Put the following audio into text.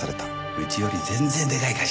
うちより全然でかい会社だから。